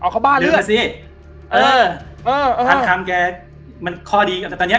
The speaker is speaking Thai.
อ๋อเขาบ้าเลือดลืมไหมสิเออเออเออพันคำแกมันข้อดีแต่ตอนเนี้ย